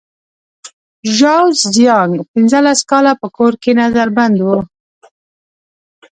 ژاو زیانګ پنځلس کاله په کور کې نظر بند و.